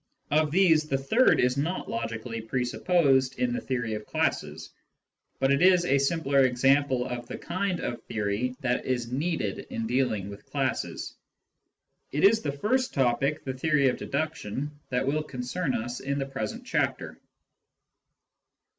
Of these, the third is not logically presupposed in the theory of classes, but it is a simpler example of the kind of theory that is needed in dealing with classes. It is the first topic, the theory of deduction, that will concern us in the present chapter.